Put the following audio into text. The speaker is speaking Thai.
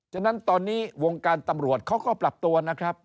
ฉะนั้นตอนนี้วงการตำรวจเขาก็ปรับตัวนะครับ